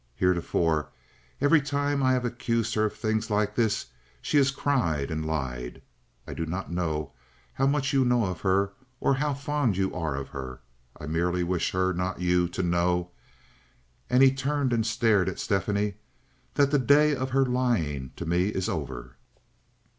Heretofore, every time I have accused her of things like this she has cried and lied. I do not know how much you know of her, or how fond you are of her. I merely wish her, not you, to know"—and he turned and stared at Stephanie—"that the day of her lying to me is over."